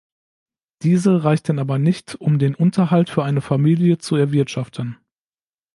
Diese reichten aber nicht, um den Unterhalt für eine Familie zu erwirtschaften.